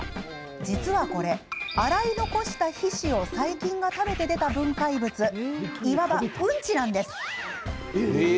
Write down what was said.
実はこれ、洗い残した皮脂を細菌が食べて出た分解物いわば、うんちなんです。